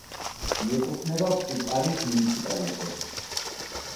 მიეკუთვნება პუკარის მუნიციპალიტეტს.